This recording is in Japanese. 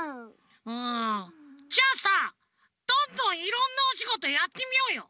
うんじゃあさどんどんいろんなおしごとやってみようよ。